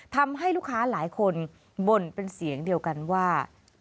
ทำให้ลูกค้าหลายคนบ่นเป็นเสียงเดียวกันว่า